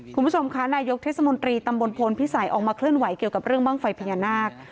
คุณผู้ชมค่ะนายกเทศมนตรีตำบลพลพิสัยออกมาเคลื่อนไหวเกี่ยวกับเรื่องบ้างไฟพญานาค